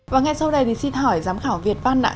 và ngay sau đây thì xin hỏi giám khảo việt văn ạ